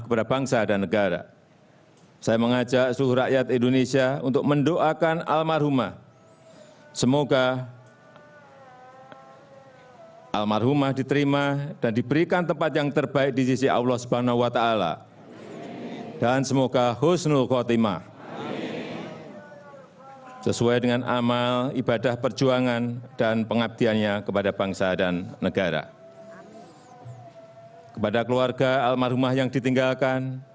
kepada keluarga almarhumah yang ditinggalkan